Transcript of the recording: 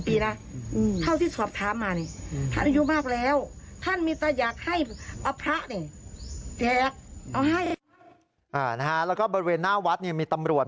ที่ข้างบนเวนหน้าวัดะเวียบกำลังมีตำรวจ